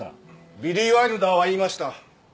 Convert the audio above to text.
ビリー・ワイルダーは言いました。